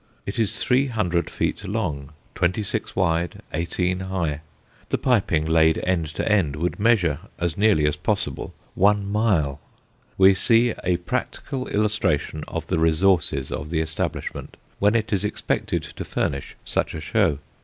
It is three hundred feet long, twenty six wide, eighteen high the piping laid end to end, would measure as nearly as possible one mile: we see a practical illustration of the resources of the establishment, when it is expected to furnish such a show.